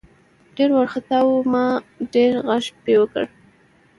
ډېر ورخطا وو ما ډېر غږ پې وکړه .